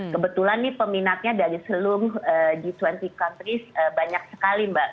kebetulan nih peminatnya dari seluruh g dua puluh countries banyak sekali mbak